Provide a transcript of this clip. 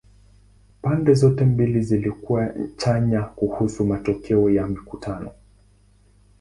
Pande zote mbili zilikuwa chanya kuhusu matokeo ya mikutano.